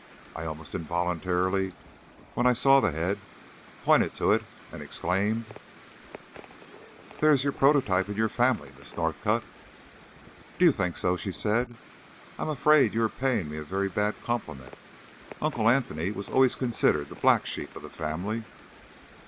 I almost involuntarily, when I saw the head, pointed to it, and exclaimed "There is your prototype in your family, Miss Northcott." "Do you think so?" she said. "I am afraid you are paying me a very bad compliment. Uncle Anthony was always considered the black sheep of the family."